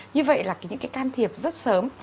như vậy là những cái can thiệp rất sớm